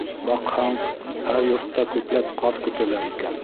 Баҡһаң, һәр йортта күпләп ҡаҙ көтәләр икән.